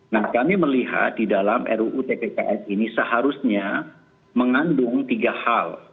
nah kami melihat di dalam ruu tpks ini seharusnya mengandung tiga hal